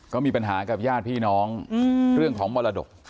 ก็มีปัญหากับญาติพี่น้องเรื่องของมรดก